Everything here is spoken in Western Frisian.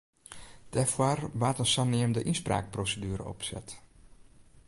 Dêrfoar waard in saneamde ynspraakproseduere opset.